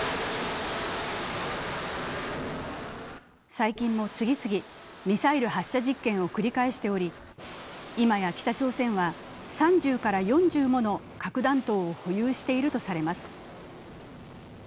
最近も次々、ミサイル発射実験を繰り返しており、いまや北朝鮮は３０から４０もの核弾頭を保有しているとされます。